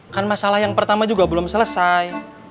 kan masalah yang pertama juga belum selesai